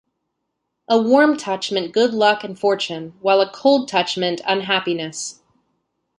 A warm touch meant good luck and fortune, while a cold touch meant unhappiness.